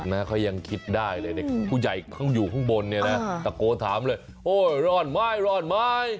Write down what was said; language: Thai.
นะเขายังคิดได้เลยเด็กผู้ใหญ่เขาอยู่ข้างบนเนี่ยนะตะโกนถามเลยโอ้ยรอดไหมรอดไหม